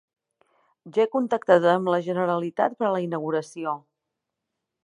Ja he contactat amb la Generalitat per a la inauguració.